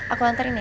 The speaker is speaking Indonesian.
aku nantarin ya